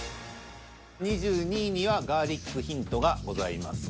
２２位にはガーリックヒントがございますが。